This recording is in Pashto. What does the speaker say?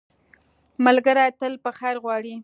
ملګری تل په خیر غواړي